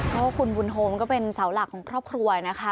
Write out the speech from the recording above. ก็คุณบุญโฮมก็เป็นเสาหลักของครอบครัวนะคะ